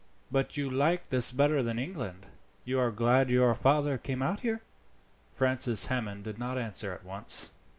"But you like this better than England? You are glad that your father came out here?" Francis Hammond did not answer at once.